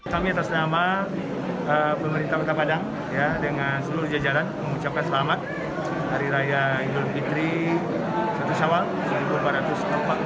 kami atas nama pemerintah kota padang dengan seluruh jajaran mengucapkan selamat hari raya